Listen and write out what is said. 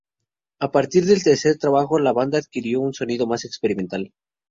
A partir del tercer trabajo, la banda adquirió un sonido más experimental.